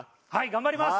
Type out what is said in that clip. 頑張ります！